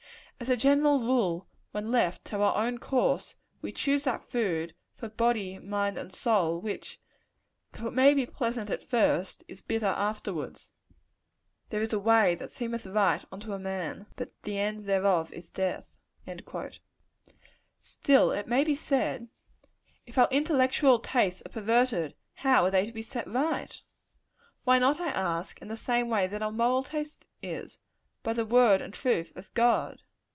As a general rule, when left to our own course, we choose that food, for body, mind and soul, which, though it may be pleasant at first, is bitter afterwards. "There is a way which seemeth right unto a man, but the end thereof is death." Still it may be said If our intellectual tastes are perverted, how are they to be set right? Why not, I ask, in the same way that our moral taste is by the word and truth of God?